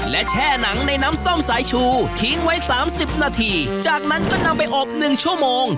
และแช่หนังในน้ำส้มสายชูทิ้งไว้สามสิบนาทีจากนั้นก็นำไปอบหนึ่งชั่วโมง